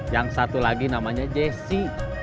yang satu lagi namanya jessi